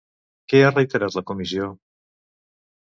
Què ha reiterat la Comissió?